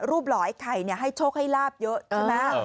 รูปหล่อไอ้ไข่เนี่ยให้โชคให้ลาบเยอะใช่ไหมเออ